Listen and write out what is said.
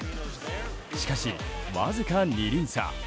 しかし、わずか２厘差。